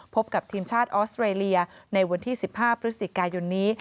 พบกับทีมชาติออสเตรเลียในวันที่๑๕พฤศจิกายนนี้